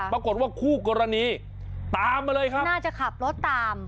ปรากฏว่าคู่กรณีตามมาเลยครับน่าจะขับรถตาม